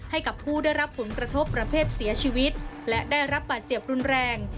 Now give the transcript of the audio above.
ให้กับผู้ได้รับผลกระทบประเภทเสียชีวิตและได้รับบาดเจ็บรุนแรง